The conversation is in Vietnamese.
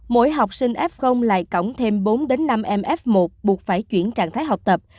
mỗi học sinh f lại cổng thêm bốn năm em f một buộc phải chuyển trạng thái học tập